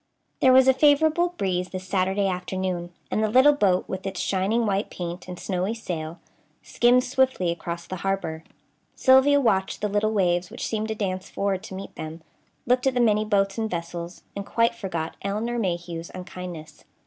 There was a favorable breeze this Saturday afternoon, and the little boat, with its shining white paint and snowy sail, skimmed swiftly across the harbor. Sylvia watched the little waves which seemed to dance forward to meet them, looked at the many boats and vessels, and quite forgot Elinor Mayhew's unkindness.